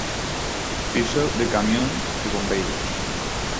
Fixo de camión de bombeiros.